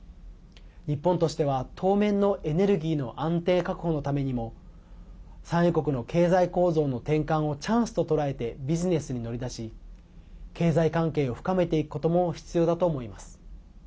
日本としては当面のエネルギーの安定確保のためにも産油国の経済構造の転換をチャンスととらえてビジネスに乗り出し経済関係を深めていくことも必要だと思います。